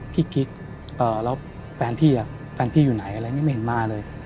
พี่กิ๊กแล้วแฟนพี่อยู่ไหนอะไรไม่เห็นมาเลย